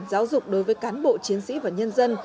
giáo dục đối với cán bộ chiến sĩ và nhân dân